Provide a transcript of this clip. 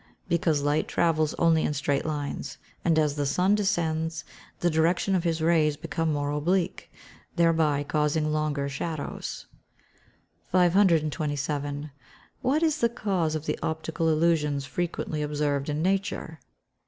_ Because light travels only in straight lines, and as the sun descends, the direction of his rays becomes more oblique, thereby causing longer shadows. 527. _What is the cause of the optical illusions frequently observed in nature?